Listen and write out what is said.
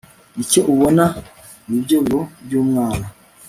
icyo ubona ni byo biro by'umwana